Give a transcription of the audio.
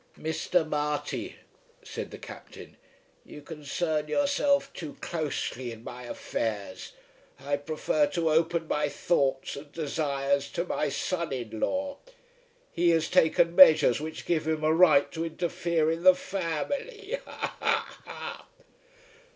"Mr. Marty," said the Captain, "you concern yourself too closely in my affairs. I prefer to open my thoughts and desires to my son in law. He has taken measures which give him a right to interfere in the family. Ha, ha, ha."